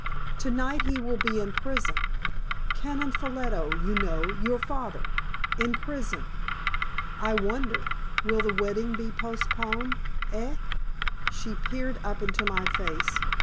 To night he will be in prison. Canon Ffolliot, you know your father in prison! I wonder, will the wedding be postponed? Eh?" She peered up into my face.